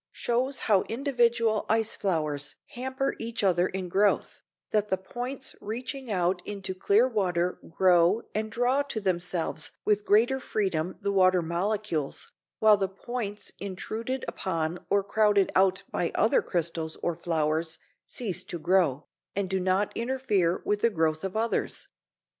136 shows how individual ice flowers hamper each other in growth; that the points reaching out into clear water grow and draw to themselves with greater freedom the water molecules, while the points intruded upon or crowded out by other crystals or flowers, cease to grow, and do not interfere with the growth of others.